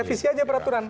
revisi aja peraturan